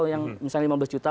yang misalnya lima belas juta